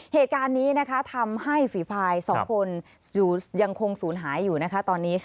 เหตุการณ์นี้ทำให้ฝีภาย๒คนยังคงศูนย์หายอยู่ตอนนี้